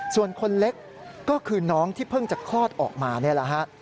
ส่วนคนเล็กก็คือน้องที่เพิ่งจะคลอดออกมานี่แหละฮะ